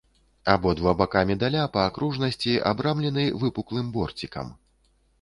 Абодва бакі медаля па акружнасці абрамлены выпуклым борцікам.